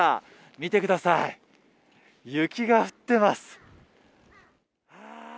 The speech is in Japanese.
見てください、雪が降ってます。